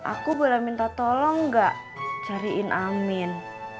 aku boleh minta tolong gak cariin amin